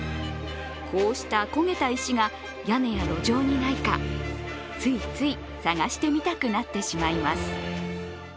こうした焦げた石が屋根や路上にないかついつい探してみたくなってしまいます。